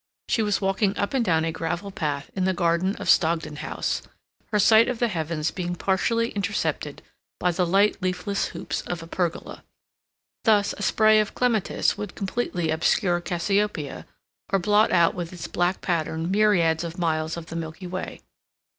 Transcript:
She was walking up and down a gravel path in the garden of Stogdon House, her sight of the heavens being partially intercepted by the light leafless hoops of a pergola. Thus a spray of clematis would completely obscure Cassiopeia, or blot out with its black pattern myriads of miles of the Milky Way.